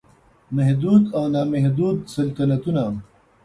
محدود او نا محدود سلطنتونه